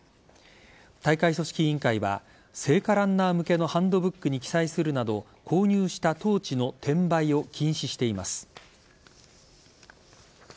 大会組織委員会が聖火ランナー向けのハンドブックに記載するなど購入したトーチの転売を禁止しています。